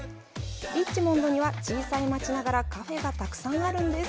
リッチモンドには小さい街ながらカフェがたくさんあるんです。